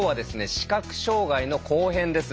視覚障害の後編です。